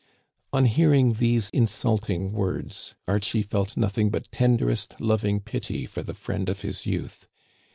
On hearing these insulting words, Archie felt nothing but tenderest loving pity for the friend of his youth.